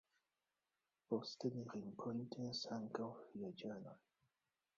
Poste ni renkontis ankaŭ vilaĝanon.